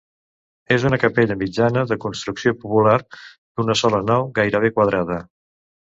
És una capella mitjana, de construcció popular, d'una sola nau gairebé quadrada.